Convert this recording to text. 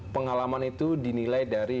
pengalaman itu dinilai dari